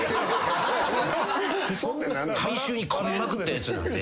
大衆にこびまくったやつなんで。